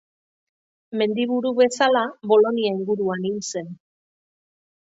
Mendiburu bezala, Bolonia inguruan hil zen.